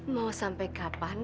mau sampai kapan